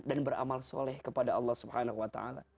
dan beramal soleh kepada allah swt